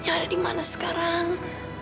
nia ada dimana sekarang